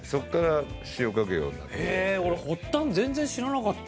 俺発端全然知らなかったですよ。